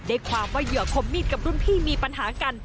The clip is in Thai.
ความว่าเหยื่อคมมีดกับรุ่นพี่มีปัญหากัน